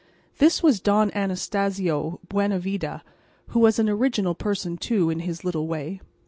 This was Don Anastacio Buenavida, who was an original person too in his little way.